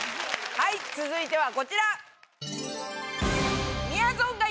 はい続いてはこちら！